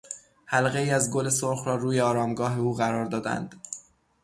حلقهای از گل سرخ را روی آرامگاه او قرار دادند.